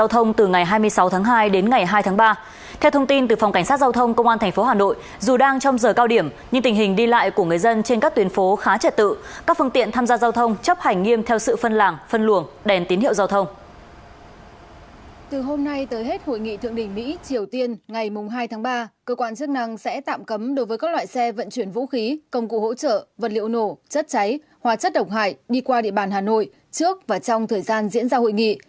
hôm nay tới hết hội nghị thượng đỉnh mỹ triều tiên ngày hai tháng ba cơ quan chức năng sẽ tạm cấm đối với các loại xe vận chuyển vũ khí công cụ hỗ trợ vật liệu nổ chất cháy hóa chất độc hại đi qua địa bàn hà nội trước và trong thời gian diễn ra hội nghị